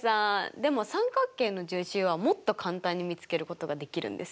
でも三角形の重心はもっと簡単に見つけることができるんですよ。